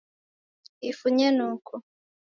Ifunye noko